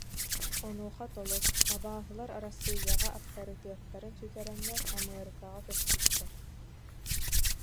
Онуоха Толос: «Абааһылар Арассыыйаҕа аптарытыаттарын сүтэрэннэр, Амыарыкаҕа көспүттэр»